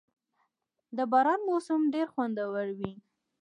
• د باران موسم ډېر خوندور وي.